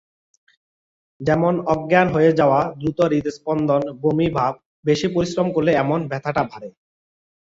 যেমন- অজ্ঞান হয়ে যাওয়া-দ্রুত হৃৎস্পন্দন-বমি ভাব-বেশি পরিশ্রম করলে এমন ব্যথাটা বাড়ে।